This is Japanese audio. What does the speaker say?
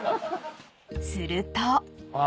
［すると］あ。